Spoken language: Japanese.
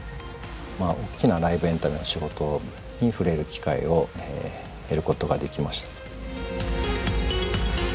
大きなライブエンタメの仕事に触れる機会を得ることができました。